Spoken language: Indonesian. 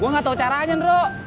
gue gak tau caranya dro